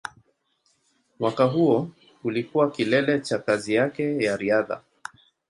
Mwaka huo ulikuwa kilele cha kazi yake ya riadha.